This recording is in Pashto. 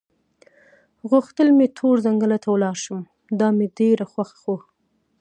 غوښتل مې تور ځنګله ته ولاړ شم، دا مې ډېره خوښه وه.